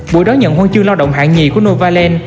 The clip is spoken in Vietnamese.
buổi đó nhận huân chương lao động hạng nhì của nova land